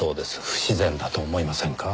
不自然だと思いませんか？